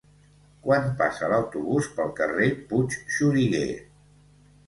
Quan passa l'autobús pel carrer Puigxuriguer?